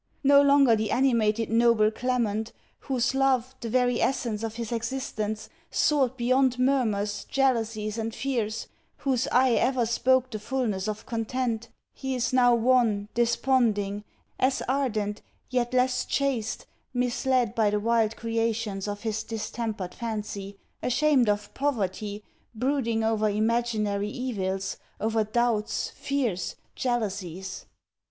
No longer the animated noble Clement, whose love, the very essence of his existence, soared beyond murmurs, jealousies, and fears, whose eye ever spoke the fulness of content, he is now wan, desponding, as ardent, yet less chaste, misled by the wild creations of his distempered fancy, ashamed of poverty, brooding over imaginary evils; over doubts, fears, jealousies!